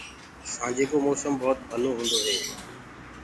سآنجي ڪو موسم ڀوت ڀلو هوندو هي۔